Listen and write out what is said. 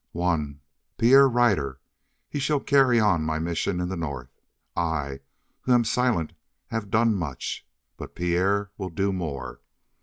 "One. Pierre Ryder. He shall carry on my mission in the north. I, who am silent, have done much; but Pierre will do more.